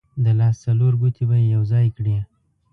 د لاس څلور ګوتې به یې یو ځای کړې.